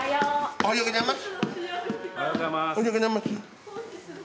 おはようございます。